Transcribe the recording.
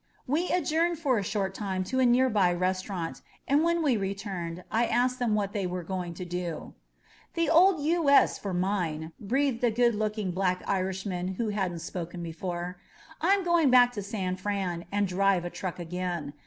We adjourned for a short time to a nearby restau rant, and when we returned I asked them what they were going to do. The old U. S. for mine,'' breathed a good looking black Irishman who hadn't spoken before. "I'm going back to San Fran and drive a truck again.